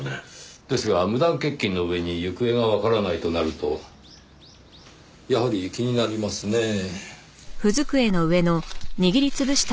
ですが無断欠勤の上に行方がわからないとなるとやはり気になりますねぇ。